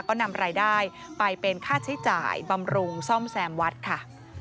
ก็นำรายได้ไปเป็นค่าใช้จ่ายบำรุงซ่อมแซมวัดค่ะ